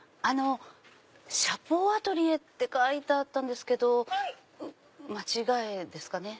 シャポーアトリエって書いてあったんですけど間違いですかね。